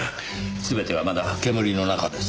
全てはまだ煙の中です。